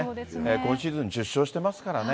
今シーズン１０勝してますからね。